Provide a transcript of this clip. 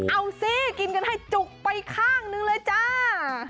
เอาสิกินกันให้จุกไปข้างนึงเลยจ้า